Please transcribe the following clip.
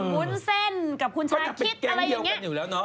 คุณวุ้นเส้นกับคุณชายคิดอะไรอย่างนี้